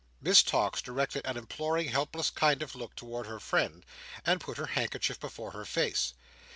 Miss Tox directed an imploring, helpless kind of look towards her friend, and put her handkerchief before her face.